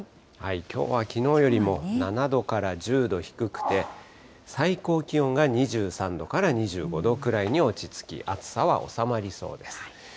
きょうはきのうよりも７度から１０度低くて、最高気温が２３度から２５度くらいに落ち着き、暑さは収まりそうです。